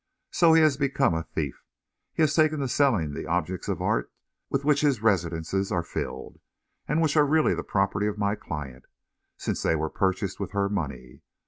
So he has become a thief. He has taken to selling the objects of art with which his residences are filled, and which are really the property of my client, since they were purchased with her money.